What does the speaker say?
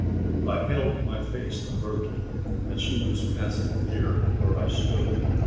I held my face averted as she was passing near where I stood.